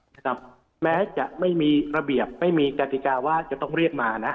นะครับแม้จะไม่มีระเบียบไม่มีกติกาว่าจะต้องเรียกมานะ